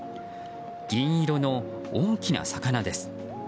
銀色の大きな魚です。